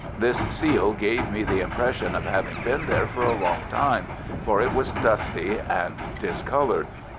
This seal gave me the impression of having been there for a long time, for it was dusty and discoloured.